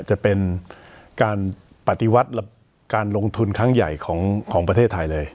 จะเป็นการปฏิวัติการลงทุนครั้งใหญ่ของประเทศไทยเลย